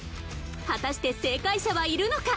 果たして正解者はいるのか？